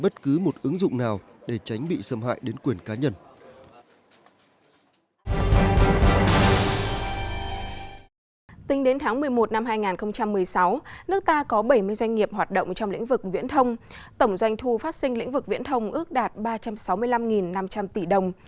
tổng doanh thu phát sinh lĩnh vực viễn thông ước đạt ba trăm sáu mươi năm năm trăm linh tỷ đồng